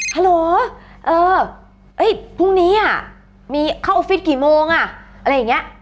ฮัลโหลเออพรุ่งนี้อ่ะมีเข้าออฟฟิศกี่โมงอ่ะอะไรอย่างเงี้ย